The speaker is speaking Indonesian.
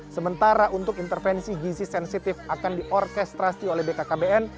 sementara untuk intervensi gizi sensitif akan diorkestrasi oleh bkkbn